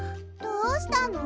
どうしたの？